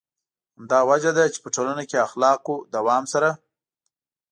همدا وجه ده چې په ټولنه کې اخلاقو دوام سره.